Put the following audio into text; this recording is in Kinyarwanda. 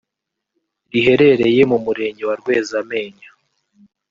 riherereye mu murenge wa Rwezamenyo